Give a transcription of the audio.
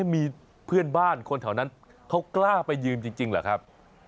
มีเพื่อนบ้านคนแถวนั้นเขากล้าไปยืมจริงเหรอครับ